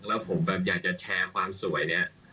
แล้วผมแบบอยากจะแชร์ความสวยเนี่ย